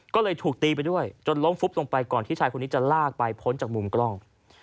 ก็เลยถูกตีไปด้วยจนล้มฟุบลงไปก่อนที่ชายคนนี้จะลากไปพ้นจากมุมกล้อง